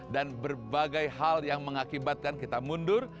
dan berbagai hal yang mengakibatkan kita mundur